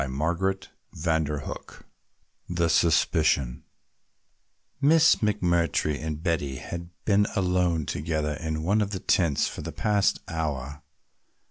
CHAPTER XVII THE SUSPICION Miss McMurtry and Betty had been alone together in one of the tents for the past half hour.